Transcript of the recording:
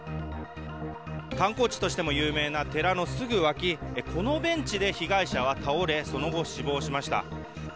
観光地としても有名な寺のすぐ脇このベンチで被害者は倒れその後、死亡しました。